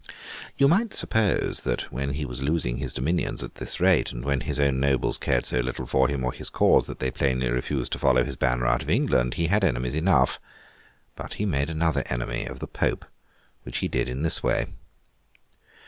You might suppose that when he was losing his dominions at this rate, and when his own nobles cared so little for him or his cause that they plainly refused to follow his banner out of England, he had enemies enough. But he made another enemy of the Pope, which he did in this way.